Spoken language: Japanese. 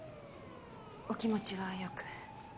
お気持ちはよく。